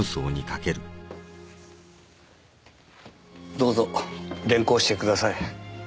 どうぞ連行してください。